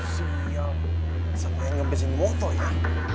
saya pengen ngebesin moto ya